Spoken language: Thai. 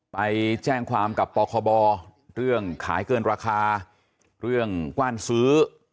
ไปแจ้งความกับปคบเรื่องขายเกินราคาเรื่องกว้านซื้อ